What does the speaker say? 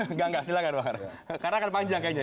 enggak enggak silahkan bang arang karena kan panjang kayaknya ya